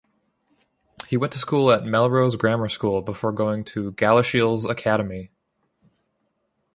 He went to school at Melrose Grammar School before going to Galashiels Academy.